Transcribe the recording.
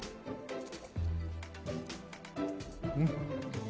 うん！